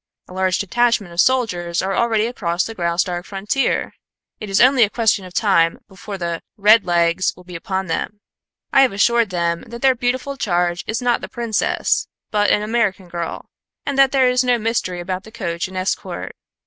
A large detachment of soldiers are already across the Graustark frontier. It is only a question of time before the 'red legs' will be upon them. I have assured them that their beautiful charge is not the Princess, but an American girl, and that there is no mystery about the coach and escort.